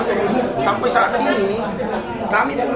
tapi sampai saat ini kami pun harus